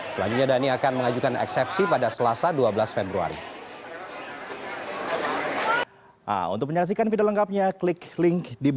selanjutnya dhani akan mengajukan eksepsi pada selasa dua belas februari